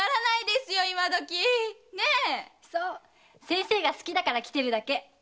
そう先生が好きだから来てるだけ。